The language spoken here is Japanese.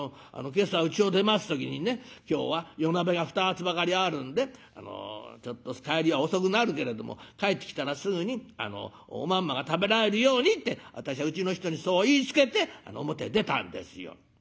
今朝うちを出ます時にね今日は夜なべが２つばかりあるんでちょっと帰りは遅くなるけれども帰ってきたらすぐにおまんまが食べられるようにって私はうちの人にそう言いつけて表へ出たんですよ」。